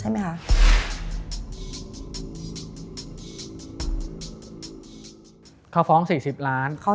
เขาฟ้อง๔๐ล้าน